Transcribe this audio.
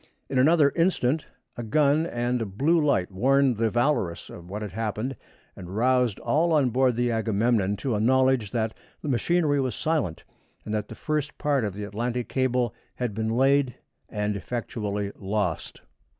In another instant a gun and a blue light warned the Valorous of what had happened, and roused all on board the Agamemnon to a knowledge that the machinery was silent, and that the first part of the Atlantic cable had been laid and effectually lost.